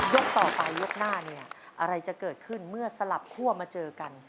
ต่อไปยกหน้าเนี่ยอะไรจะเกิดขึ้นเมื่อสลับคั่วมาเจอกัน